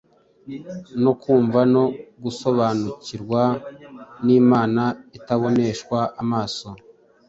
no kumva no gusobanukirwa n’Imana itaboneshwa amaso.